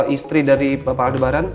istri dari bapak aldebaran